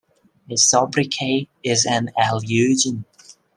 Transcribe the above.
A sobriquet is an allusion.